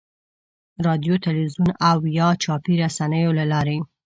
رادیو، تلویزیون او یا چاپي رسنیو له لارې.